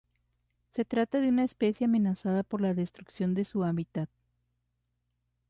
Se trata de una especie amenazada por la destrucción de su hábitat.